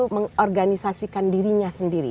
mengorganisasikan dirinya sendiri